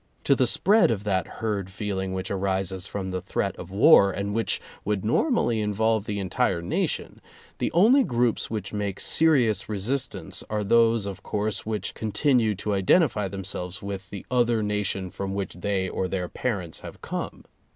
To the spread of that herd feeling which arises from the threat of war, and which would normally involve the entire nation, the only groups which make serious resistance are those, of course, which con tinue to identify themselves with the other nation from which they or their parents have come.